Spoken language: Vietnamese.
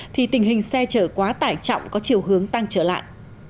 thì tình hình xe chở quá tải trọng có chiều hướng tăng trở lại